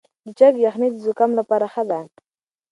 د چرګ یخني د زکام لپاره ښه ده.